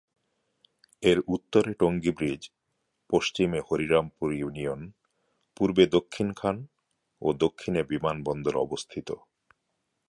এর উত্তরে টঙ্গী ব্রীজ, পশ্চিমে হরিরামপুর ইউনিয়ন, পূর্বে দক্ষিণ খান ও দক্ষিণে বিমানবন্দর অবস্থিত।